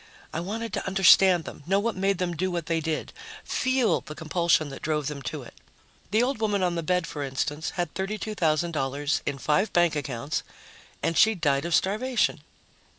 I wanted to understand them, know what made them do what they did, feel the compulsion that drove them to it. The old woman on the bed, for instance, had $32,000 in five bank accounts ... and she'd died of starvation.